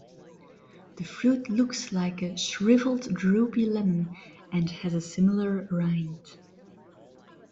The fruit looks like a shriveled droopy lemon, and has a similar rind.